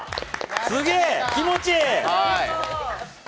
すげえ、気持ちいい。